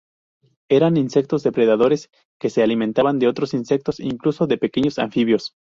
Eran insectos depredadores que se alimentaban de otros insectos e incluso de pequeños anfibios.